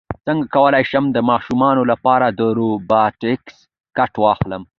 څنګه کولی شم د ماشومانو لپاره د روبوټکس کټ واخلم